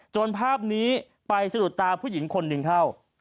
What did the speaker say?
ภาพนี้ไปสะดุดตาผู้หญิงคนหนึ่งเข้า